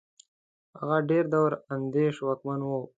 هغه ډېر دور اندېش واکمن وو.